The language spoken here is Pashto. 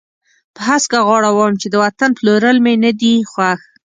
په هسکه غاړه وایم چې د وطن پلورل مې نه دي خوښ.